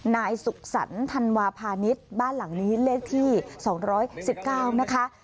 นายสุขสรรรค์ทันวาพานิตบ้านหลังนี้เลขที่สองร้อยสิบเก้านะคะ